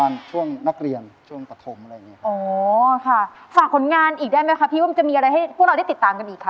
เอ่อเวชที่ประกวดไม่คือว่าไม่คือครับ